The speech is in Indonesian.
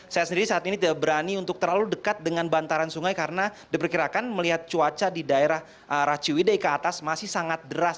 saya sendiri saat ini tidak berani untuk terlalu dekat dengan bantaran sungai karena diperkirakan melihat cuaca di daerah raciwidei ke atas masih sangat deras